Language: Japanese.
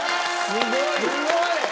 すごい！